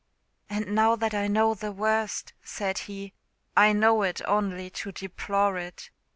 "And now that I know the worst," said he, "I know it only to deplore it.